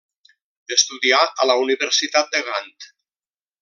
Estudià a la Universitat de Gant.